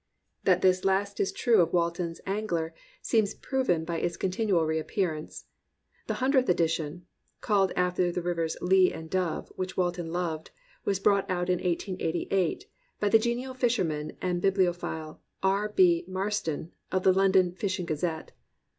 That this last is true of Walton's Angler seems proven by its continual reappearance. The Hun dredth Edition (called after the rivers Lea and Dove, which Walton loved) was brought out in 1888, by the genial fisherman and bibliophile, R. B. Marston of the London Fishing Gazette.